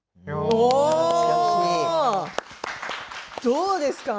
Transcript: どうですか？